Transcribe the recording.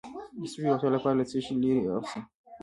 د سږو د روغتیا لپاره له څه شي لرې اوسم؟